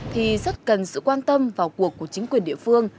thì rất cần sự quan tâm vào cuộc của chính quyền địa phương